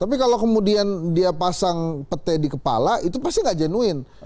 tapi kalau kemudian dia pasang pete di kepala itu pasti nggak genuin